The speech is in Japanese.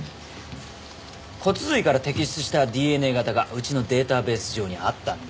骨髄から摘出したＤＮＡ型がうちのデータベース上にあったんで。